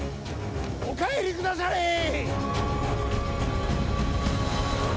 お帰りくだされ！